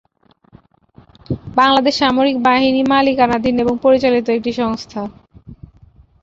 বাংলাদেশ সামরিক বাহিনী মালিকানাধীন এবং পরিচালিত একটি সংস্থা।